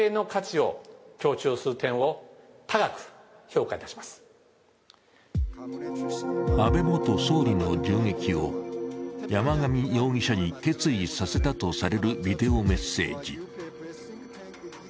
そして安倍元総理の銃撃を山上容疑者に決意させたとされるビデオメッセージ。